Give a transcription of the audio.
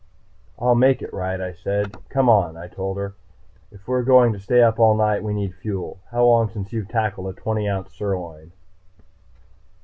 "I'll make it right," I said. "Come on," I told her. "If we're going to stay up all night, we need fuel. How long since you've tackled a twenty ounce sirloin?"